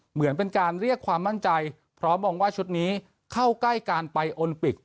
เหมือนเป็นการเรียกความมั่นใจเพราะมองว่าชุดนี้เข้าใกล้การไปโอลิมปิก